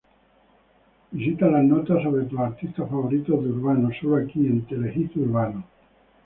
Visita las notas sobre tus artistas favoritos de Urbano solo aquí en Telehit Urbano.